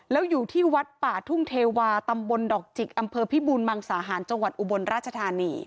แล้วอยู่ที่วัดป่าทุ่งเทวาตำบลดอกจิกอำเภอพิบูรมังสาหารจังหวัดอุบลราชธานี